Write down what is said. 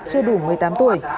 chưa đủ một mươi tám tuổi